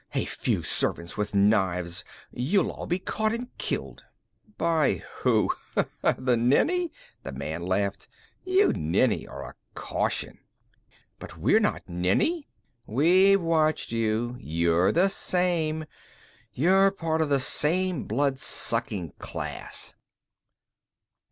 "A few servants with knives! You'll all be caught and killed." "By who, the Nenni?" the man laughed. "You Nenni are a caution." "But we're not Nenni " "We've watched you; you're the same. You're part of the same blood sucking class."